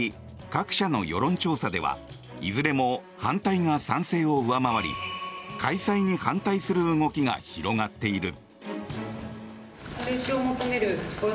各社の世論調査ではいずれも反対が賛成を上回り開催に反対する動きが広がっている。